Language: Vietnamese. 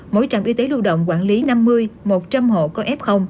mỗi trạm y tế lưu động quản lý năm mươi một trăm linh hộ có f